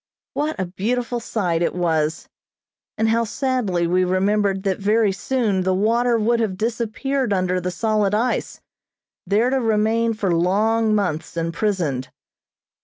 What a beautiful sight it was, and how sadly we remembered that very soon the water would have disappeared under the solid ice, there to remain for long months imprisoned.